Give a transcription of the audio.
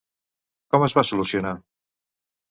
Com es va solucionar?